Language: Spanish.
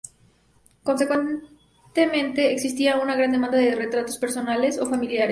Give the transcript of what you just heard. Consecuentemente existía una gran demanda de retratos personales o familiares.